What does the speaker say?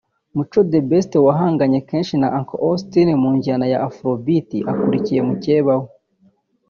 Mico The Best wahanganye kenshi na Uncle Austin mu njyana ya Afrobeat akurikiye mukeba we